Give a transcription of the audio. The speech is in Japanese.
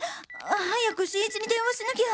早く新一に電話しなきゃ！